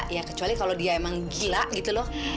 ya kecuali kalau dia emang gila gitu loh